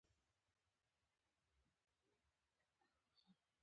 امیر سیورغتمیش په زندان کې وو.